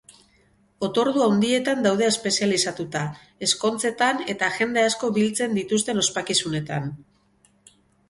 Otordu handietan daude espezializatuta, ezkontzetan eta jende asko biltzen dituzten ospakizunetan.